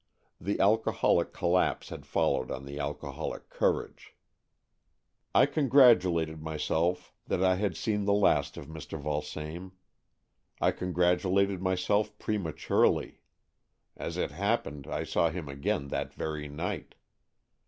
The alcoholic collapse had followed on the alcoholic courage. I con gratulated myself that I had seen the last 176 AN EXCHANGE OF SOULS of Mr. Vulsame. I congratulated myself prematurely. As it happened, I saw him again that very night.